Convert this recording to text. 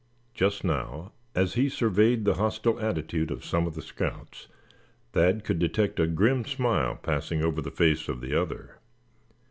Just now, as he surveyed the hostile attitude of some of the scouts, Thad could detect a grim smile passing over the face of the other.